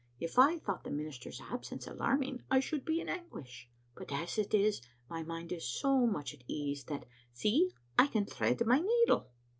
If I thought the minister's absence alarming, I should be in anguish; but as it is, my mind is so much at ease that, see, I can thread my needle."